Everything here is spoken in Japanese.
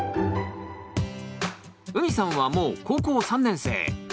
うみさんはもう高校３年生。